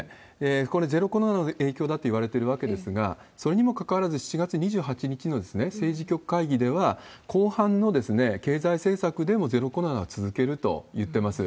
これ、ゼロコロナの影響だといわれているわけですが、それにもかかわらず、７月２８日の政治局会議では、後半の経済政策でもゼロコロナは続けると言っています。